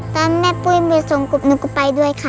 ตอนแม่ปุ้ยมีสองกบหนูก็ไปด้วยค่ะ